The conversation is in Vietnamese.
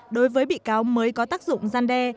đối với bị cáo mới có tác dụng gian đe